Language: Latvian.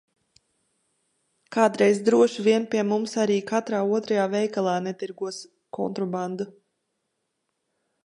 Kādreiz droši vien pie mums arī katrā otrajā veikalā netirgos kontrabandu.